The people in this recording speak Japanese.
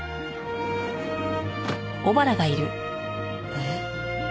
えっ？